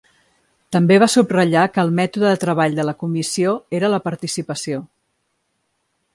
També va subratllar que el mètode de treball de la comissió era la participació.